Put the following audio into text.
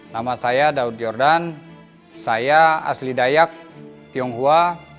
nama saya daud jordan saya asli dayak tionghoa